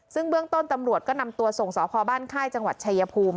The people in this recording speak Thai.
ซึ่งเบื้องต้นตำรวจก็นำตัวส่งสพบ้านค่ายจังหวัดชายภูมิ